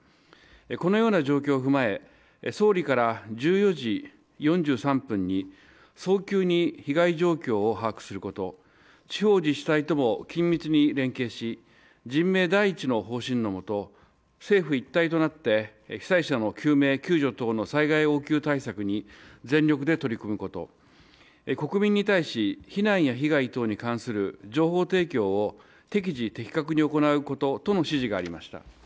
このような状況を踏まえ、総理から１４時４３分に早急に被害状況を把握すること、地方自治体とも緊密に連携し人命第一の方針のもと政府一体となって被災者の救命救助等の災害応急対策に全力で取り組むこと、国民に対し、避難や被害等に関する情報提供を適時的確に行うこととの指示がありました。